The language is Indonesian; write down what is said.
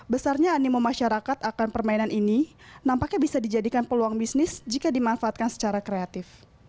besarnya animo masyarakat akan permainan ini nampaknya bisa dijadikan peluang bisnis jika dimanfaatkan secara kreatif